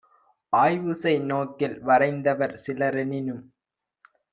ஆய்வுசெய் நோக்கில் வரைந்தவர் சிலரெனினும்